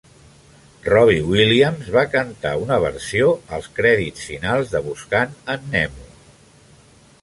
Robbie Williams va cantar una versió als crèdits finals de Buscant en Nemo.